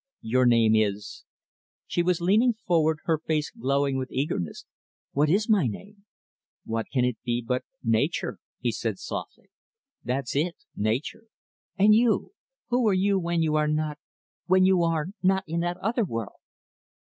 Your name is " She was leaning forward, her face glowing with eagerness. "What is my name?" "What can it be but 'Nature'," he said softly. "That's it, 'Nature'." "And you? Who are you when you are not when you are not in that other world?"